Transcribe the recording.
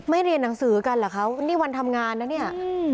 เรียนหนังสือกันเหรอคะนี่วันทำงานนะเนี่ย